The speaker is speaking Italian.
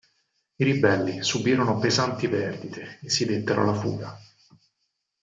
I ribelli subirono pesanti perdite e si dettero alla fuga.